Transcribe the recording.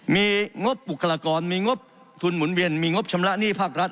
มีงบบุคลากรมีงบทุนหมุนเวียนมีงบชำระหนี้ภาครัฐ